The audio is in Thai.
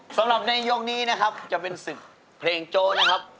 สำหรับในยกนี้นะครับจะเป็นศึกเพลงโจ๊นะครับ